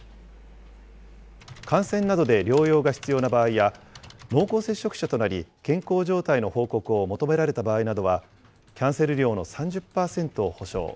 感染などで療養が必要な場合や、濃厚接触者となり健康状態の報告を求められた場合などは、キャンセル料の３０％を補償。